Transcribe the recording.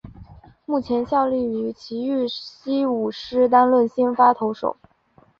目前效力于崎玉西武狮担任先发投手。